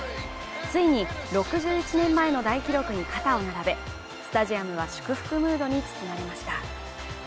ついに６１年前の大記録に肩を並べスタジアムは祝福ムードに包まれました